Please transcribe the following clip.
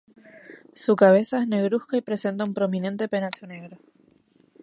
Su cabeza es negruzca y presenta un prominente penacho negro.